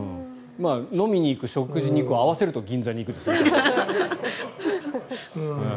飲みに行く食事に行くを合わせると銀座に行くですね。